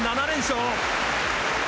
７連勝。